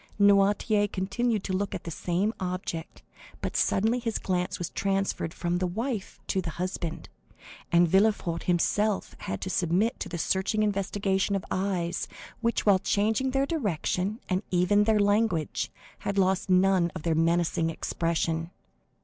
Noirtier continued to look at the same object, but suddenly his glance was transferred from the wife to the husband, and Villefort himself had to submit to the searching investigation of eyes, which, while changing their direction and even their language, had lost none of their menacing expression.